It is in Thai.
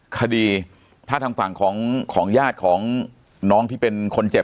คดีถ้าทางฝั่งของญาติของน้องที่เป็นคนเจ็บ